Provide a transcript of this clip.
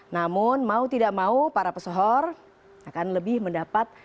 namun mau tidak mau para pesohor akan lebih mendapat